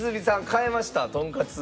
変えましたとんかつ。